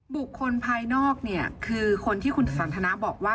บุคคลภายนอกเนี่ยคือคนที่คุณสันทนาบอกว่า